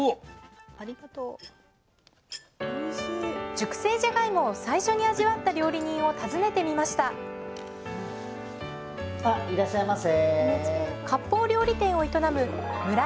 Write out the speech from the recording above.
熟成じゃがいもを最初に味わった料理人を訪ねてみましたあいらっしゃいませ。